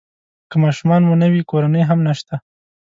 که ماشومان مو نه وي کورنۍ هم نشته.